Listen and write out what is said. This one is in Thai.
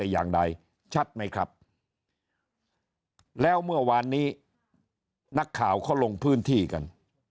อย่างใดชัดไหมครับแล้วเมื่อวานนี้นักข่าวเขาลงพื้นที่กัน